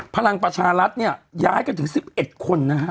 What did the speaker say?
พลังประชารัฐเนี่ยย้ายกันถึง๑๑คนนะฮะ